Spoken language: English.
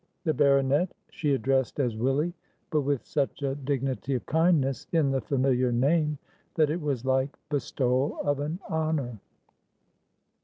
The baronet she addressed as "Willy," but with such a dignity of kindness in the familiar name that it was like bestowal of an honour.